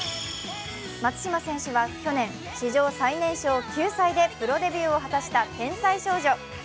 松島選手は去年、史上最年少９歳でプロデビューを果たした天才少女。